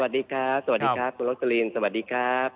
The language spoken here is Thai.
สวัสดีครับสวัสดีครับคุณรสกรีนสวัสดีครับ